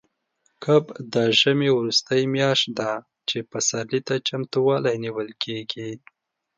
کب د ژمي وروستۍ میاشت ده، چې پسرلي ته چمتووالی نیول کېږي.